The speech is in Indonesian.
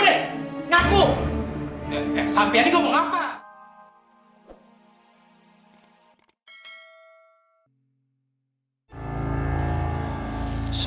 iya kan ngaku deh